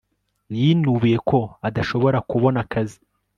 Yinubiye ko adashobora kubona akazi